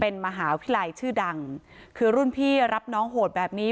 เป็นมหาวิทยาลัยชื่อดังคือรุ่นพี่รับน้องโหดแบบนี้